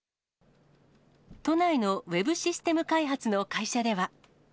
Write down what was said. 都内のウェブシステム開発の会社では。